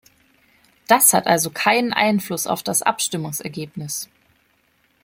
Das hat also keinen Einfluss auf das Abstimmungsergebnis.